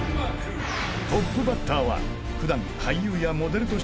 ［トップバッターは普段］